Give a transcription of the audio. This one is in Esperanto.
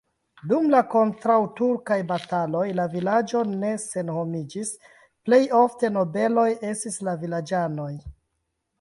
Dum la kontraŭturkaj bataloj la vilaĝo ne senhomiĝis, plej ofte nobeloj estis la vilaĝanoj.